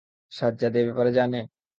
সাজ্জাদ এ ব্যাপারে জানে?